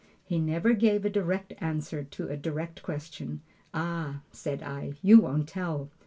He never gives a direct answer to a direct question. "Ah," said I, "you won't tell."